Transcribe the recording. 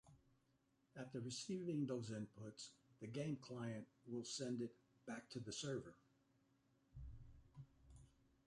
After receiving those inputs, the game client will send it back to the server.